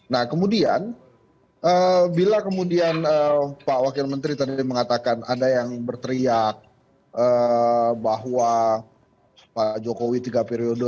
nah kemudian bila kemudian pak wakil menteri tadi mengatakan ada yang berteriak bahwa pak jokowi tiga periode